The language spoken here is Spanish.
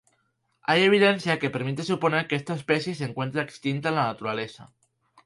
Hay evidencia que permite suponer que esta especie se encuentra extinta en la naturaleza.